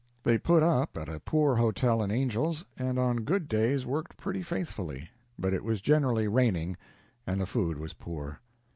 They put up at a poor hotel in Angel's, and on good days worked pretty faithfully. But it was generally raining, and the food was poor.